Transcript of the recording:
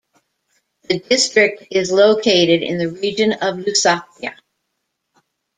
The district is located in the region of Lusatia.